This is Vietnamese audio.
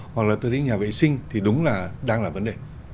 hoặc là từ những nhà vệ sinh thì đúng là đang là vấn đề